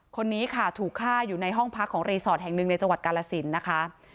คนนี้ค่ะถูกฆ่าอยู่ในห้องพักของรีสอร์ทแห่งหนึ่งในจังหวัดกาลสินนะคะ